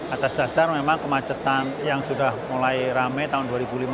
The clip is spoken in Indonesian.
atas dasar memang kemacetan yang sudah mulai rame tahun dua ribu lima belas